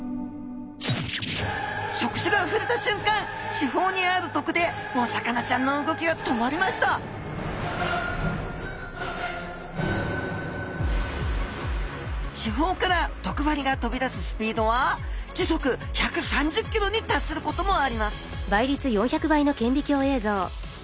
触手がふれたしゅんかん刺胞にある毒でお魚ちゃんの動きが止まりました刺胞から毒針が飛び出すスピードは時速１３０ｋｍに達することもあります